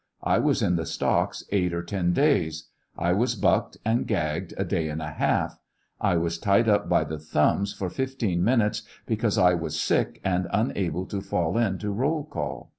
I was in the stocks eight or ten days. I was bucked and gagged a day and a half. I was tied up by the thumbs for fifteen minutes because I was sick, and unable to fall in to roll call.